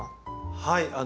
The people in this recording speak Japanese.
はい。